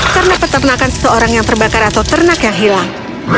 karena peternakan seseorang yang terbakar atau ternak yang hilang